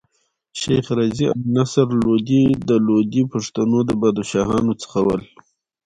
شېخ رضي او نصر لودي د لودي پښتنو د پاچاهانو څخه ول.